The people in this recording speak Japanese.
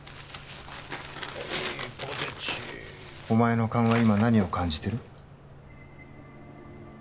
お前の勘は今何を感じてる？